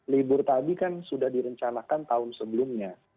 libur tadi kan sudah direncanakan tahun sebelumnya